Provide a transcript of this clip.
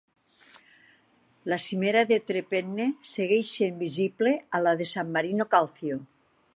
La cimera de Tre Penne segueix sent visible a la de San Marino Calcio.